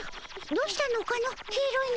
どうしたのかの黄色いの。